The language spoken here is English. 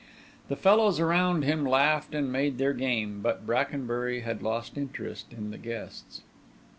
The fellows around him laughed and made their game; but Brackenbury had lost interest in the guests.